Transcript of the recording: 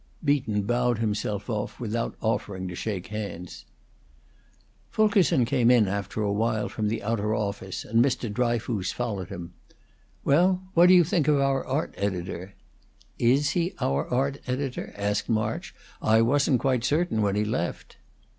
Beaton bowed himself off, without offering to shake hands. Fulkerson came in after a while from the outer office, and Mr. Dryfoos followed him. "Well, what do you think of our art editor?" "Is he our art editor?" asked March. "I wasn't quite certain when he left."